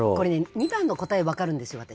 ２番の答え分かるんです私。